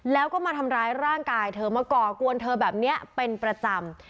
แล้วก็มาทำร้ายร่างกายเธอมาก่อกวนเธอแบบนี้เป็นประจำ